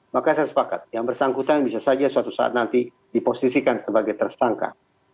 maka saya sepakat yang bersangkutan bisa saja suatu saat nanti diposisikan sebagai tersangka